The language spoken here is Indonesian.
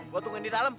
gue tunggu di dalam